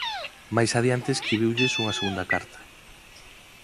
Máis adiante escribiulles unha segunda carta.